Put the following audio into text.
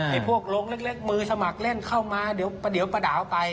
พวกโรงเล็กมือสมัครเล่นเข้ามาเดี๋ยวป้าดาวไป